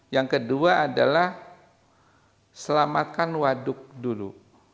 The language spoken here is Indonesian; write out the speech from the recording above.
yang kedua adalah selamatkan waduk dulu